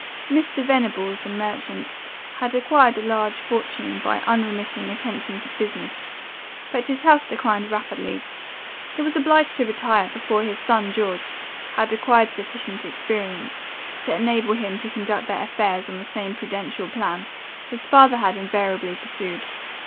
"Mr. Venables, the merchant, had acquired a large fortune by unremitting attention to business; but his health declining rapidly, he was obliged to retire, before his son, George, had acquired sufficient experience, to enable him to conduct their affairs on the same prudential plan, his father had invariably pursued.